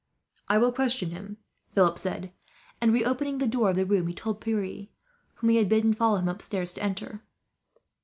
"I will question him," Philip said and, reopening the door of the room, he told Pierre, whom he had bidden follow him upstairs, to enter.